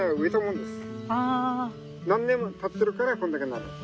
何年もたってるからこんだけなる。